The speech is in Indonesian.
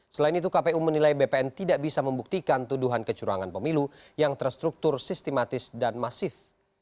selain itu kpu menilai bpn tidak bisa membuktikan tuduhan kecurangan pemilu yang terstruktur sistematis dan masif